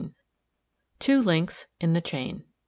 TWO LINKS IN THE CHAIN.